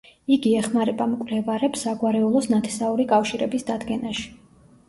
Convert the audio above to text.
იგი ეხმარება მკვლევარებს საგვარეულოს ნათესაური კავშირების დადგენაში.